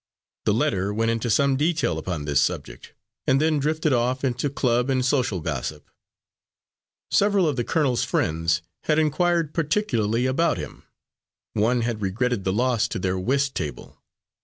The letter went into some detail upon this subject, and then drifted off into club and social gossip. Several of the colonel's friends had inquired particularly about him. One had regretted the loss to their whist table.